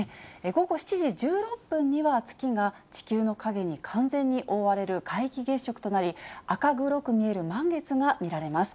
午後７時１６分には、月が地球の影に完全に覆われる皆既月食となり、赤黒く見える満月が見られます。